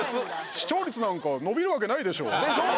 視聴率なんか伸びるわけないでしょでしょ？